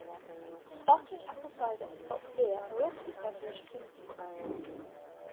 Sparkling apple cider and Bock beer are also beverage affinities.